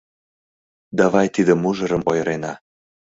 Давай тиде мужырым ойырена.